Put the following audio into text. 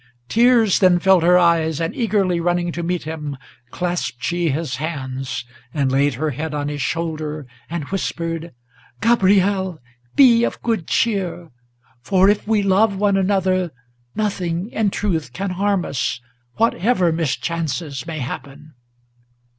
Tears then filled her eyes, and, eagerly running to meet him, Clasped she his hands, and laid her head on his shoulder and whispered, "Gabriel! be of good cheer! for if we love one another, Nothing, in truth, can harm us, whatever mischances may happen!"